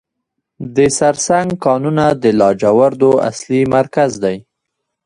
د سرسنګ کانونه د لاجوردو اصلي مرکز دی.